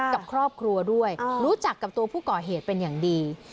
กับครอบครัวด้วยรู้จักกับตัวผู้ก่อเหตุเป็นอย่างดี